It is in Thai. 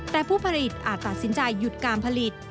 แต่ผู้ผลิตอาจตัดสินใจหยุดการผลิต